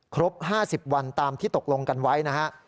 ครบ๕๐วันตามที่ตกลงกันไว้นะฮะ